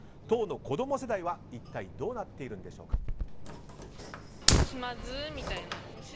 当の子供世代は一体どうなっているんでしょうか。